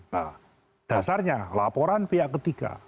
nah dasarnya laporan pihak ketiga